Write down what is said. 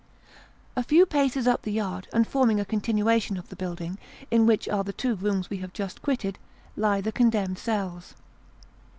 * A few paces up the yard, and forming a continuation of the building, in which are the two rooms we have just quitted, lie the condemned cells.